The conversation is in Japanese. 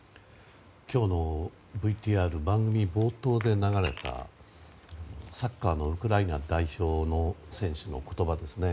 今日のＶＴＲ番組冒頭で流れたサッカーのウクライナ代表の選手の言葉ですね。